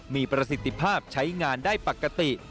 มีประสิทธิภาพใช้งานได้ปกติ